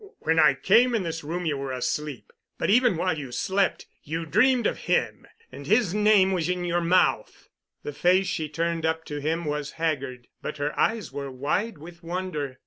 When I came in this room you were asleep, but even while you slept you dreamed of him and his name was in your mouth." The face she turned up to him was haggard, but her eyes were wide with wonder.